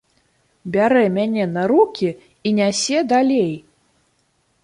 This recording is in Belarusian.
Бярэ мяне на рукі і нясе далей.